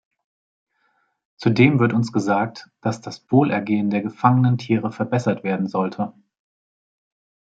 Zudem wird uns gesagt, dass das Wohlergehen der gefangenen Tiere verbessert werden sollte.